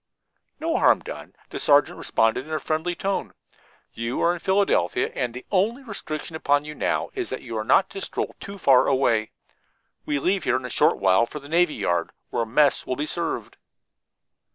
"No harm done," the sergeant responded in a friendly tone. "You are in Philadelphia, and the only restriction upon you now is that you are not to stroll too far away. We leave here in a short while for the navy yard, where mess will be served."